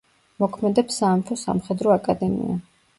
მოქმედებს სამეფო სამხედრო აკადემია.